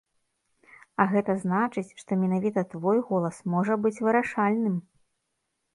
А гэта значыць, што менавіта твой голас можа быць вырашальным!